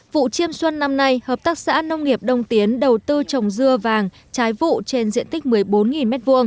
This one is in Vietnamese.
vụ chiêm xuân năm nay hợp tác xã nông nghiệp đông tiến đầu tư trồng dưa vàng trái vụ trên diện tích một mươi bốn m hai